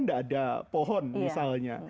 tidak ada pohon misalnya